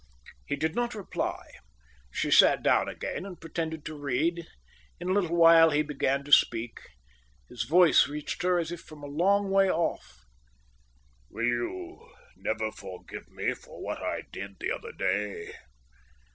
He did not reply. She sat down again and pretended to read. In a little while he began to speak. His voice reached her as if from a long way off. "Will you never forgive me for what I did the other day?"